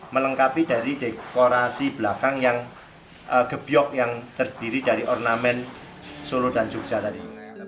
melengkapi dari dekorasi belakang yang gebiok yang terdiri dari ornamen solo dan jogja tadi